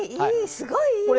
すごいいいそれ。